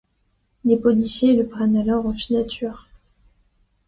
Les policiers le prennent alors en filature.